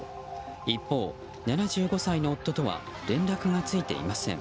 一方、７５歳の夫とは連絡がついていません。